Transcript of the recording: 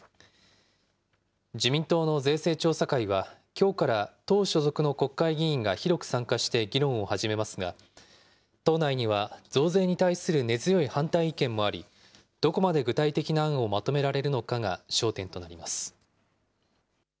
自民党の税制調査会は、きょうから党所属の国会議員が広く参加して議論を始めますが、党内には増税に対する根強い反対意見もあり、どこまで具体的な案をまとめられるのかが焦点となります。